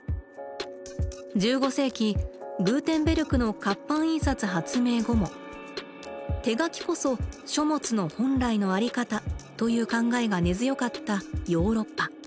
１５世紀グーテンベルクの活版印刷発明後も「手書きこそ書物の本来のあり方」という考えが根強かったヨーロッパ。